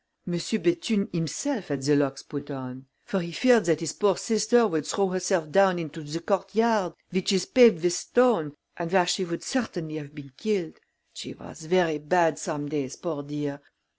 "Monsieur Bethune himself had the locks put on; for he feared that his poor sister would throw herself down into the court yard, which is paved with stone, and where she would certainly have been killed. She was very bad some days, poor dear.